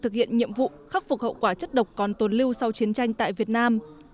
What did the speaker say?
thực hiện nhiệm vụ khắc phục hậu quả chất độc còn tồn lưu sau chiến tranh tại việt nam